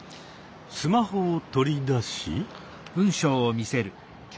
スマホを取り出し。